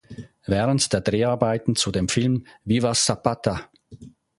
Während der Dreharbeiten zu dem Film "Viva Zapata!